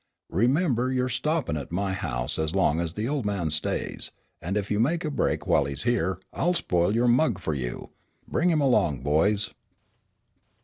Remember you're stoppin' at my house as long as the old man stays, and if you make a break while he's here I'll spoil your mug for you. Bring him along, boys."